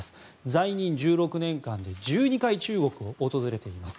在任１６年間で１２回、中国を訪れています。